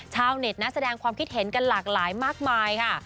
ชาวเน็ตนะแสดงความคิดเห็นกันหลากหลายมากมายค่ะ